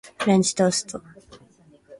フレンチトースト